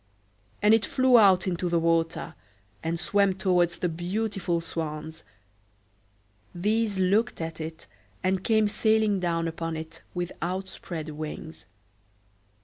And it flew out into the water, and swam towards the beautiful swans: these looked at it, and came sailing down upon it with outspread wings.